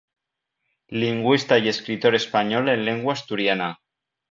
Lingüista y escritor español en lengua asturiana.